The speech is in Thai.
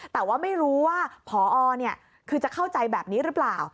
แต่ว่าไม่รู้ว่าพอคือจะเข้าใจแบบนี้หรือเปล่า